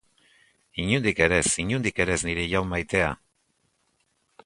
Inondik ere ez, inondik ere ez, nire jaun maitea!